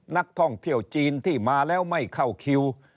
นักท่องเที่ยวจีนที่มาแล้วไม่เข้าคิว